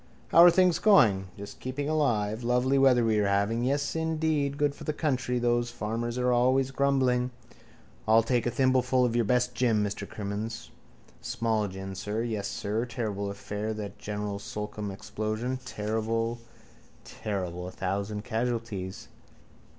How are things going? Just keeping alive. Lovely weather we're having. Yes, indeed. Good for the country. Those farmers are always grumbling. I'll just take a thimbleful of your best gin, Mr Crimmins. A small gin, sir. Yes, sir. Terrible affair that General Slocum explosion. Terrible, terrible! A thousand casualties.